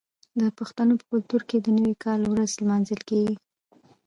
د پښتنو په کلتور کې د نوي کال ورځ لمانځل کیږي.